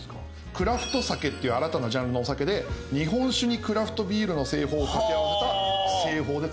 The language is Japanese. クラフトサケっていう新たなジャンルのお酒で日本酒にクラフトビールを掛け合わせた製法で造ってる。